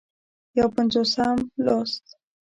یو پينځوسم لوست